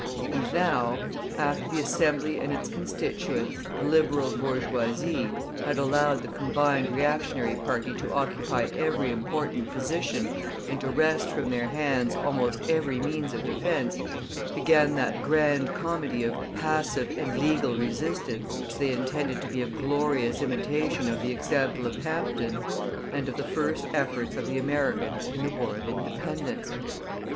And now, after the Assembly and its Constituents, the Liberal bourgeoisie, had allowed the combined reactionary party to occupy every important position, and to wrest from their hands almost every means of defence, began that grand comedy of "passive and legal resistance" which they intended to be a glorious imitation of the example of Hampden, and of the first efforts of the Americans in the War of Independence.